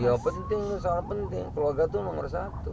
iya penting sangat penting keluarga itu nomor satu